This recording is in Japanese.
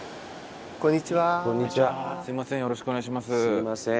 すいません。